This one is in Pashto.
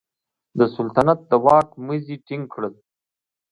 د سلطنت د واک مزي ټینګ کړل.